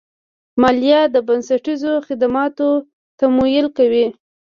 مالیه د بنسټیزو خدماتو تمویل کوي.